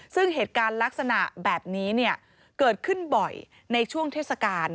ซึ่งเหตุการณ์ลักษณะแบบนี้เกิดขึ้นบ่อยในช่วงเทศกาล